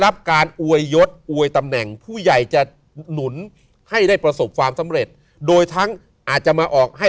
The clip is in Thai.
รับการอวยยศอวยตำแหน่งผู้ใหญ่จะหนุนให้ได้ประสบความสำเร็จโดยทั้งอาจจะมาออกให้